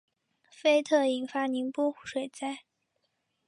菲特引发宁波水灾。